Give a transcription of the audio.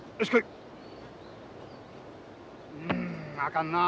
うんあかんなあ。